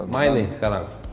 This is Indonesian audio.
main nih sekarang